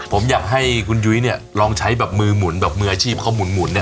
ผมอยากให้คุณยุ้ยเนี่ยลองใช้แบบมือหมุนแบบมืออาชีพเขาหมุนเนี่ย